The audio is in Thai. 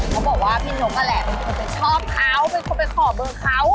เขาบอกว่าพี่หนกนั่นแหละว่าชอบเขาไปขอเบอร์เขา